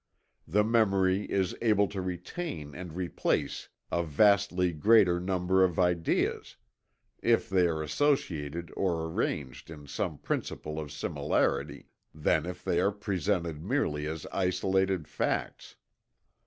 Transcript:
The memory is able to retain and replace a vastly greater number of ideas, if they are associated or arranged on some principle of similarity, than if they are presented merely as isolated facts.